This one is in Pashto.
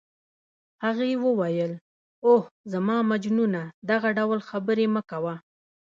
هغې وویل: اوه، زما مجنونه دغه ډول خبرې مه کوه.